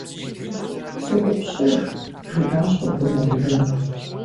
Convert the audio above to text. СутӀыпщыж, - жиӀащ Уэгунэбзум.